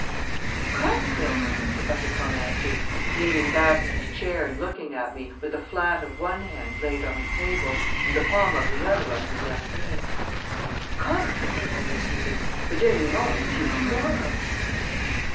"On the contrary," Mr. Bundercombe answered, leaning back in his chair and looking at me, with the flat of one hand laid on the table and the palm of the other on his left knee, "on the contrary," he repeated, "the dénouement is due to morrow."